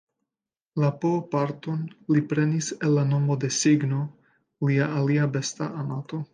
La "pooh"-parton li prenis el la nomo de cigno, lia alia besta amato.